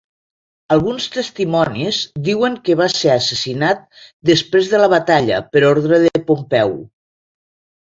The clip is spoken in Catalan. Alguns testimonis diuen que va ser assassinat després de la batalla per ordre de Pompeu.